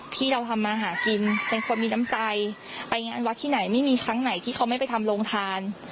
ที่เราทำมาหากินเป็นคนมีน้ำใจไปงานวัดที่ไหนไม่มีครั้งไหนที่เขาไม่ไปทำโรงทาน